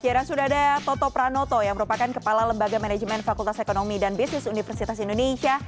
ya dan sudah ada toto pranoto yang merupakan kepala lembaga manajemen fakultas ekonomi dan bisnis universitas indonesia